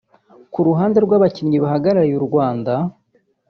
Ku ruhande rw’Abakinnyi bahagarariye u Rwanda